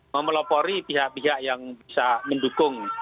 memelopori pihak pihak yang bisa mendukung